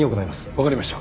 わかりました。